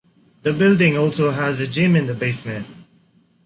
The building also has a gym in the basement.